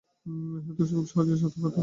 ইহা তো খুব সহজ সাদা কথা।